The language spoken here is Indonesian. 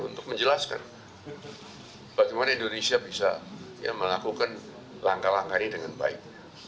untuk menjelaskan bagaimana indonesia bisa melakukan langkah langkah ini dengan baik